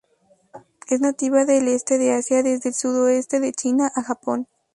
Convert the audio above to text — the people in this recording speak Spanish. Es nativa del este de Asia desde el sudoeste de China a Japón.